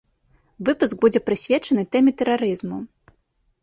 Выпуск будзе прысвечаны тэме тэрарызму.